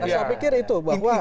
saya pikir itu bahwa